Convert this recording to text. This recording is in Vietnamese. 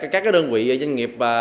các đơn vị doanh nghiệp